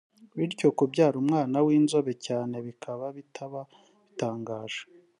bityo kubyara umwana w’inzobe cyane bikaba bitaba bitangaje